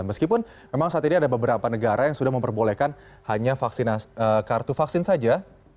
meskipun memang saat ini ada beberapa negara yang sudah memperbolehkan hanya kartu vaksin saja